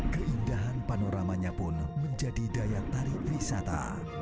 keindahan panoramanya pun menjadi daya tarik wisata